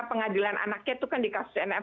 pengadilan anaknya itu kan dikasus nf